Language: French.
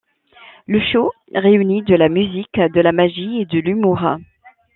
Le show réunit de la musique de la magie et de l’humour.